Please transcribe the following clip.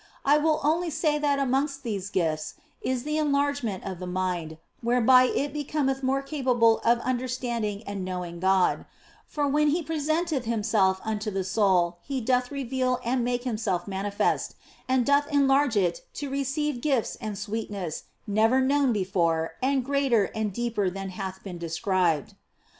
I will only say that amongst OF FOLIGNO 189 these gifts is the enlargement of the mind, whereby it becometh more capable of understanding and knowing God ; for when He presenteth Himself unto the soul He doth reveal and make Himself manifest, and doth thus enlarge it to receive gifts and sweetness never known before and greater and deeper than hath been described.